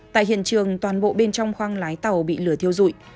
tại hiện trường toàn bộ bên trong khoang lái tàu bị lửa thiêu dụi